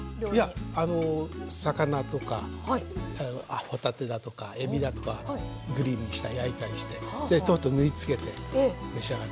いやあの魚とか帆立てだとかえびだとかグリルにしたり焼いたりしてでソースを塗り付けて召し上がって頂くと。